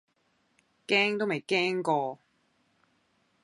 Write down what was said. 驚都未驚過